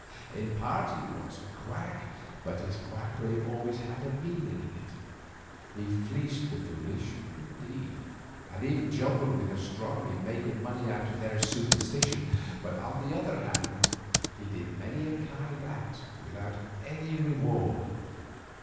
In part he was a quack, but his quackery always had a meaning in it. He fleeced the foolish, indeed, and even juggled with astronomy, making money out of their superstition; but on the other hand he did many a kind act without reward.